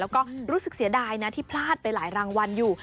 แล้วก็รู้สึกเสียดายนะที่พลาดไปหลายรางวัลอยู่